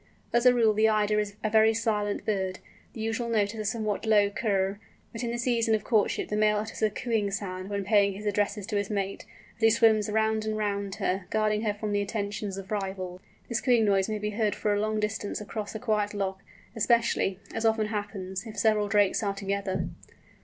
As a rule the Eider is a very silent bird. The usual note is a somewhat low kurr, but in the season of courtship the male utters a cooing sound when paying his addresses to his mate, as he swims round and round her, guarding her from the attentions of rivals. This cooing noise may be heard for a long distance across a quiet loch, especially, as often happens, if several drakes are together.